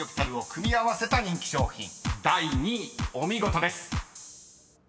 ［第２位お見事です］